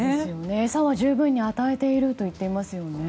餌は十分に与えていると言っていますよね。